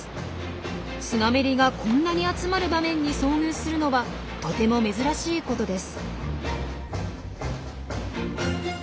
スナメリがこんなに集まる場面に遭遇するのはとても珍しいことです。